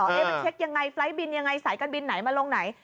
เอเวิร์ดเช็คยังไงไฟล์ไฟล์บินยังไงสายกันบินไหนมาลงไหน